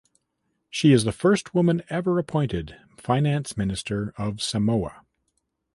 She is the first woman ever appointed finance minister of Samoa.